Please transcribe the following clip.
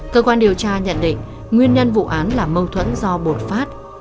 cơ quan điều tra nhận định nguyên nhân vụ án là mâu thuẫn do bột phát